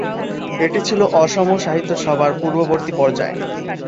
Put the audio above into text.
এটি ছিল অসম সাহিত্য সভার পূর্ববর্তী পর্যায়।